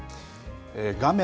画面